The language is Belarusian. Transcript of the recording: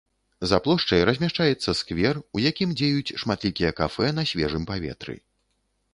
За плошчай размяшчаецца сквер, у якім дзеюць шматлікія кафэ на свежым паветры.